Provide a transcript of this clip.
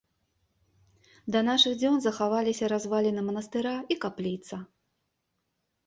Да нашых дзён захаваліся разваліны манастыра і капліца.